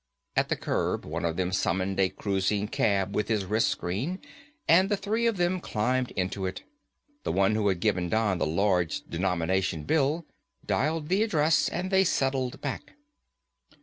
At the curb, one of them summoned a cruising cab with his wrist screen and the three of them climbed into it. The one who had given Don the large denomination bill dialed the address and they settled back.